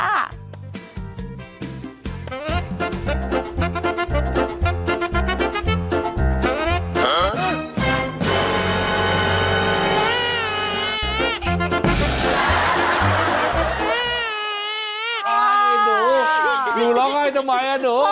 หนูหนูร้องไห้ทำไมอ่ะหนู